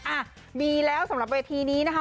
อ่ะมีแล้วสำหรับเวทีนี้นะคะ